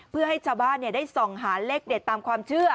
เพื่อให้ชาวบ้านได้ส่องหาเลขเด็ดตามความเชื่อ